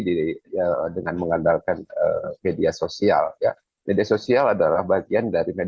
di dengan mengandalkan media sosial media sosial adalah bagian dari